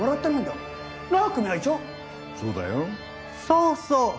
そうそう。